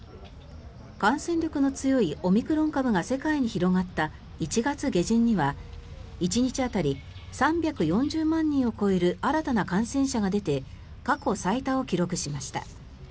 感染力の強いオミクロン株が世界に広がった１月下旬には１日当たり３４０万人を超える新たな感染者が出て過去最多を記録しました。